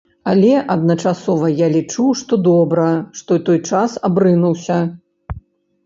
Але, адначасова, я лічу, што добра, што той час абрынуўся.